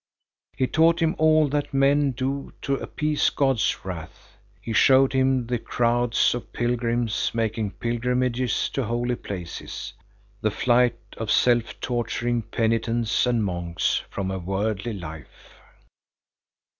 He taught him all that men do to appease God's wrath. He showed him the crowds of pilgrims making pilgrimages to holy places, the flight of self torturing penitents and monks from a worldly life.